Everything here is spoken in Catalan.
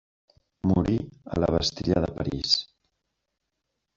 Morí a la Bastilla de París.